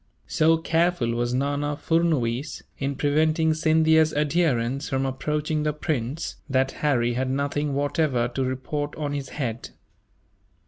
So careful was Nana Furnuwees, in preventing Scindia's adherents from approaching the prince, that Harry had nothing whatever to report on this head.